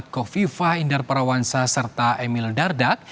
kofifah indar parawansa serta emil dardak